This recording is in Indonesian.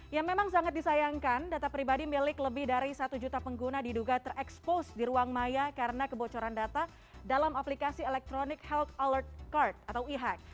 yang memang sangat disayangkan data pribadi milik lebih dari satu juta pengguna diduga terekspos di ruang maya karena kebocoran data dalam aplikasi electronic health alert card atau e hack